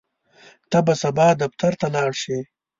ته به سبا دفتر ته لاړ شې؟